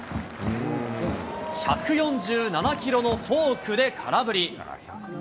１４７キロのフォークで空振り。